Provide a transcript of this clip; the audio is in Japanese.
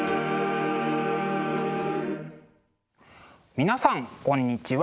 皆さんこんにちは。